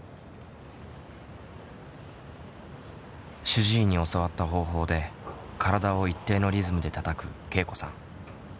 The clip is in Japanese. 主治医に教わった方法で体を一定のリズムでたたくけいこさん。